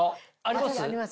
あります？